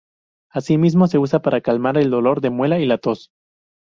Asimismo, se usa para calmar el dolor de muela y la tos.